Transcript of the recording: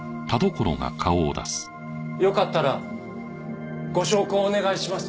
よかったらご焼香お願いします。